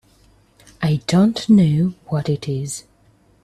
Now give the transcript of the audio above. I don't know what it is.